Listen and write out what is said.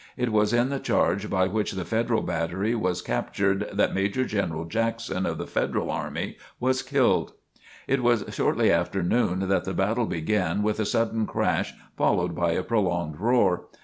It was in the charge by which the Federal Battery was captured that Major General Jackson of the Federal Army was killed. It was shortly after noon that the battle began with a sudden crash followed by a prolonged roar.